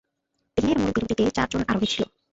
দিনের মূল বিরতিতে চারজন আরোহী ছিল।